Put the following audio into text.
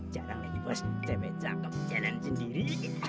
jarang lagi bos cebel cakep jalan sendiri